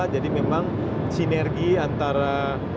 jadi memang sinergi antara